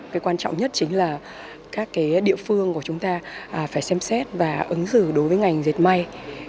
cái quan trọng nhất chính là các địa phương của chúng ta phải xem xét và ứng xử đối với ngành dệt may